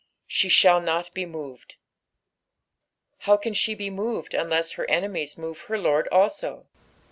"She ihaU not be moved." How can she be moved unless her enemies move her Lord also